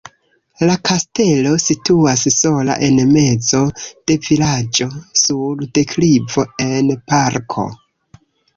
La kastelo situas sola en mezo de la vilaĝo sur deklivo en parko.